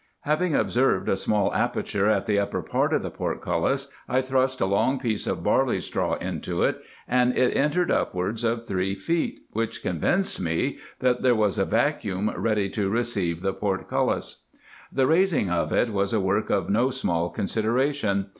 Having observed a small aperture at the upper part of the portcullis, I thrust a long piece of barley straw into it, and it entered upwards of three feet, which convinced me, that there was a vacuum ready to receive the portcullis. The raising of it was a work of no small consideration.